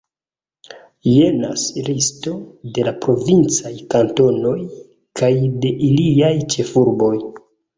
Jenas listo de la provincaj kantonoj kaj de iliaj ĉefurboj.